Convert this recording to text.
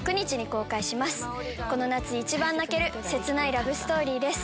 この夏一番泣ける切ないラブストーリーです。